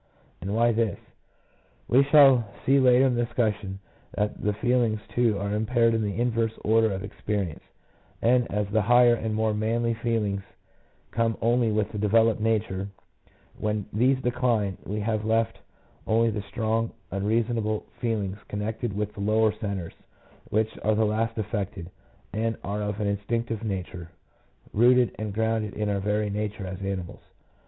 And why this ? We shall see later in the discussion that the feelings too are impaired in the inverse order of experience, and as the higher and more manly feelings come only with the developed nature, when these decline we have left only the strong, unreasonable feelings con nected with the lower centres, which are the last affected, and are of an instinctive nature — rooted and grounded in our very nature as animals.